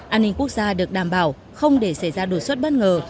an ninh quốc gia được đảm bảo không để xảy ra đột xuất bất ngờ